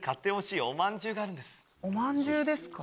おまんじゅうですか？